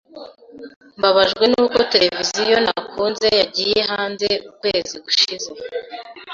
Mbabajwe nuko televiziyo nakunze yagiye hanze ukwezi gushize.